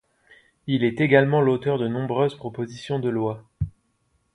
Il est également l'auteur de nombreuses propositions de lois.